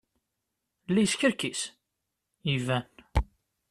La yeskerkis? Iban.